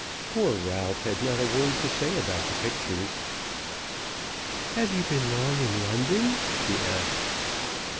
Poor Ralph had not a word to say about the pictures. "Have you been long in London?" she asked.